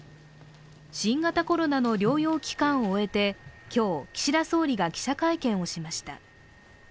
新型コロナの療養期間を終えて今日、岸田総理が記者会見をしました。